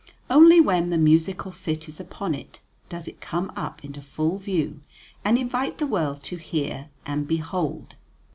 Only when the musical fit is upon it does it come up into full view, and invite the world to hear and behold.